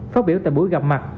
phát biểu tại buổi gặp mặt